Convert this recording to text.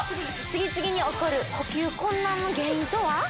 次々に起こる呼吸困難の原因とは？